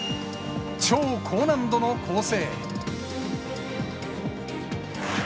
超高難度の構成。